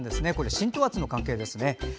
浸透圧の関係ですね。